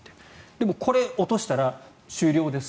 でもこれを落としたら終了です。